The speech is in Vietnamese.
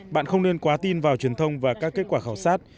bạn không nên quá tin vào truyền thông và các kết quả khảo sát